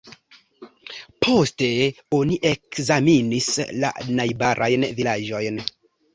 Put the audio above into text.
Poste oni ekzamenis la najbarajn vilaĝojn.